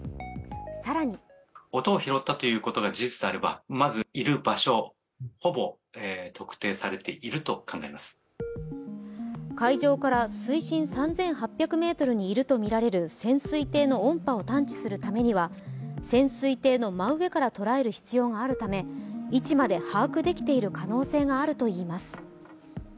更に海上から水深３８００ｍにいるとみられる潜水艇の音波を探知するためには潜水艇の真上から捉える必要があるため、位置まで把握できている可能性があるといいます。